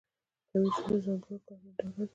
کمیسیون د ځانګړو کارونو ډله ده